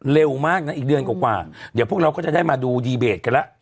เร็วมากนะอีกเดือนกว่าเดี๋ยวพวกเราก็จะได้มาดูดีเบตกันแล้ว